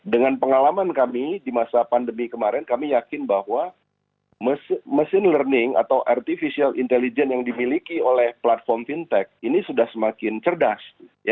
dengan pengalaman kami di masa pandemi kemarin kami yakin bahwa mesin learning atau artificial intelligence yang dimiliki oleh platform fintech ini sudah semakin cerdas